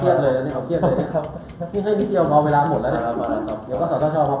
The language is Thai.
นี่ให้นิดเดียวมองเวลาหมดแล้วเนี่ย